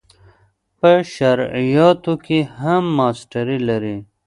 په شرعیاتو کې هم ماسټري لري.